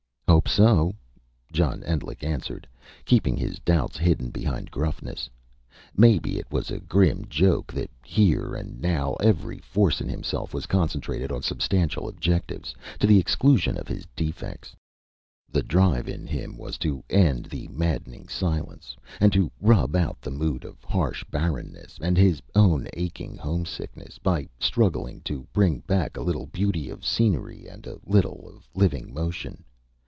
"Hope so," John Endlich answered, keeping his doubts hidden behind gruffness. Maybe it was a grim joke that here and now every force in himself was concentrated on substantial objectives to the exclusion of his defects. The drive in him was to end the maddening silence, and to rub out the mood of harsh barrenness, and his own aching homesickness, by struggling to bring back a little beauty of scenery, and a little of living motion.